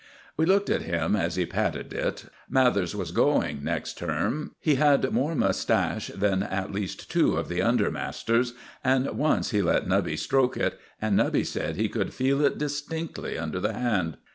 We looked at him as he patted it. Mathers was going next term. He had more mustache than, at least, two of the under masters, and once he let Nubby stroke it, and Nubby said he could feel it distinctly under the hand.